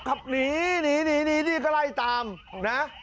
ขับหนีก็ไล่ตามนะ